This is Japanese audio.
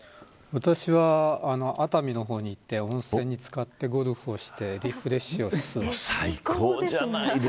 私は熱海の方に行って温泉につかってゴルフをしてリフレッシュを。